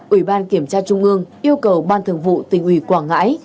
ủy ban kiểm tra trung ương yêu cầu ban thường vụ tỉnh ủy quảng ngãi